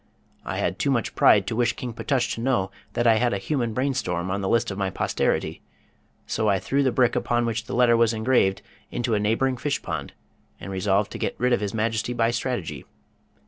I had too much pride to wish King Ptush to know that I had a human brain storm on the list of my posterity, so I threw the brick upon which the letter was engraved into a neighboring fish pond, and resolved to get rid of His Majesty by strategy.